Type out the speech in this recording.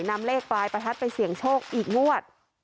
นำเลขปลายประทัดไปเสี่ยงโชคอีกงวด